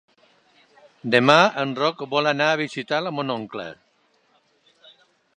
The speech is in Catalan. Demà en Roc vol anar a visitar mon oncle.